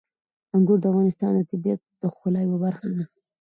انګور د افغانستان د طبیعت د ښکلا یوه برخه ده.